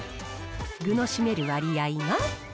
具の占める割合が。